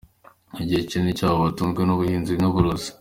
Igice kinini cyabo batunzwe n’ubuhinzi n’ubworozi.